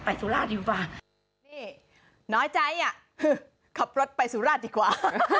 สุราชอยู่ป่ะนี่น้อยใจอ่ะขับรถไปสุราชดีกว่า